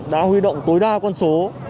đã huy động tối đa con số